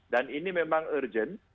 dan ini memang urgent